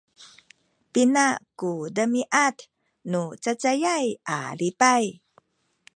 pina ku demiad nu cacayay a lipay?